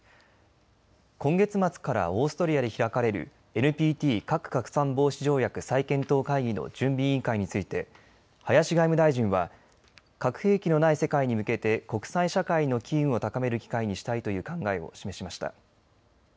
今月末からオーストリアで開かれるＮＰＴ・核拡散防止条約再検討会議の準備委員会について林外務大臣は核兵器のない世界に向けて国際社会の機運を高める機会にしたいという考えを示しました。